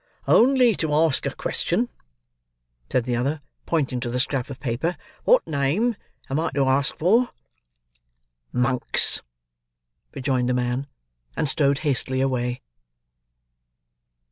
"Only to ask a question," said the other, pointing to the scrap of paper. "What name am I to ask for?" "Monks!" rejoined the man; and strode hastily away.